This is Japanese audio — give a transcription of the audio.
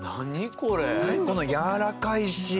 このやわらかいし。